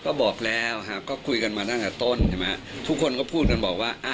ก็บอกแล้วครับก็คุยกันมาตั้งแต่ต้นทุกคนก็พูดกันบอกว่า